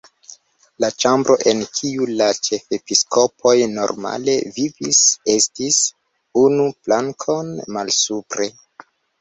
La ĉambroj en kiuj la ĉefepiskopoj normale vivis estis unu plankon malsupre.